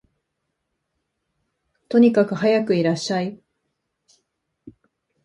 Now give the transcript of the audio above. とにかくはやくいらっしゃい